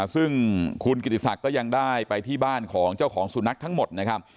ซึ่งคุณกิติศักดิ์ก็ยังได้ไปที่บ้านของเจ้าของสุนัขทั้งหมดนะครับ